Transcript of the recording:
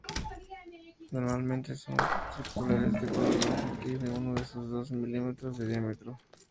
Normalmente son circulares, de color rojo y de uno o dos milímetros de diámetro.